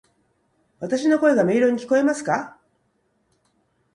わたし（の声）が明瞭に聞こえますか？